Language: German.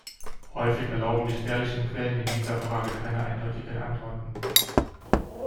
Häufig erlauben die spärlichen Quellen in dieser Frage keine eindeutigen Antworten.